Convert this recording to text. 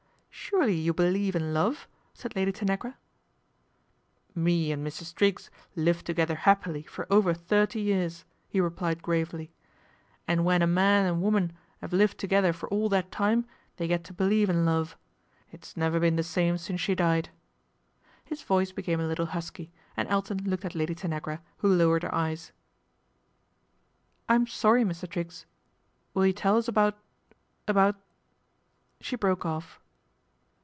"Surely you believe in love," said Lad Tanagra. MR. TRIGGS TAKES TEA 221 " Me and Mrs. Triggs lived together 'appily for |ver thirty years," he replied gravely, " and when j man an' woman 'ave lived together fcr all that '.me they get to believe in love. It's never been he same since she died." His voice became a little jusky, and Elton looked at Lady Tanagra, who pwered her eyes. |" I'm sorry, Mr. Triggs. Will you tell us about Ibout ?" she broke off.